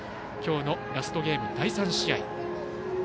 今日のラストゲーム、第３試合。